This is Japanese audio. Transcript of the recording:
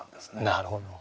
なるほど。